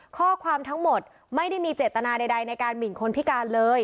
ข้อความทั้งหมดไม่ได้มีเจตนาใดในการหมินคนพิการเลย